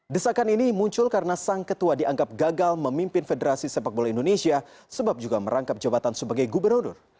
desakan ini muncul karena sang ketua dianggap gagal memimpin federasi sepak bola indonesia sebab juga merangkap jabatan sebagai gubernur